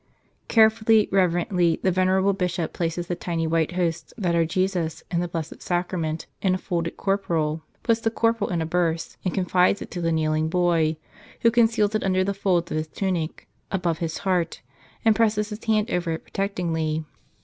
Carefully, reverently, the venerable Bishop places the tiny white Hosts that are Jesus in the Blessed Sac¬ rament, in a folded corporal, puts the corporal in a burse, and confides it to the kneeling boy, who con¬ ceals it under the folds of his tunic, above his heart, and presses his hand over it protectingly.